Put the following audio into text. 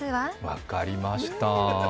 分かりましたー。